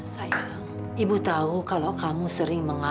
sayang ibu tahu kalau kamu sering mengalami